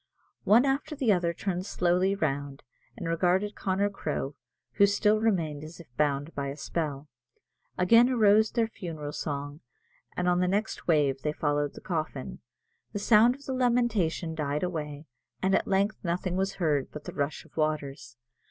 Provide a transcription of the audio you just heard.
One after the other turned slowly round, and regarded Connor Crowe, who still remained as if bound by a spell. Again arose their funeral song; and on the next wave they followed the coffin. The sound of the lamentation died away, and at length nothing was heard but the rush of waters.